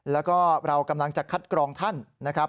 แล้วก็เรากำลังจะคัดกรองท่านนะครับ